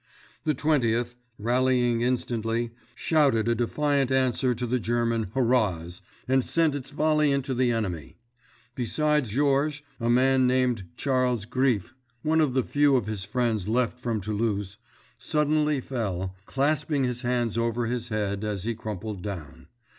The Twentieth, rallying instantly, shouted a defiant answer to the German "Hurrahs," and sent its volley into the enemy. Beside Georges, a man named Charles Griffe, one of the few of his friends left from Toulouse, suddenly fell, clasping his hands over his head as he crumpled down.